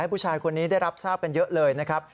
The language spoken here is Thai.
ผู้ชายคนนี้ได้รับทราบกันเยอะเลยนะครับ